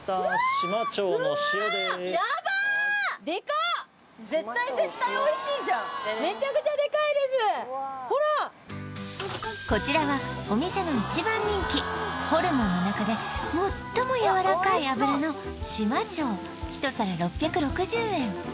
シマチョウの塩です絶対絶対おいしいじゃんこちらはお店の一番人気ホルモンの中で最もやわらかい脂のシマチョウ一皿６６０円